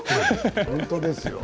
本当ですよ。